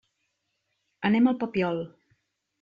Anem al Papiol.